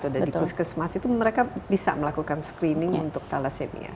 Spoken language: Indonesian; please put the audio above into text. dan di kursus kursus masih mereka bisa melakukan screening untuk thalassemia